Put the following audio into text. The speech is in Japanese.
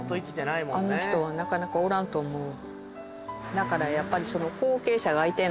だからやっぱり。